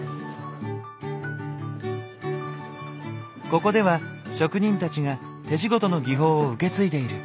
ここでは職人たちが手仕事の技法を受け継いでいる。